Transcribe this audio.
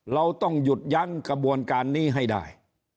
เราต้องหยุดยั้งกระบวนการนี้ให้ได้